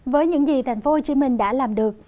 với những gì tp hcm đã làm được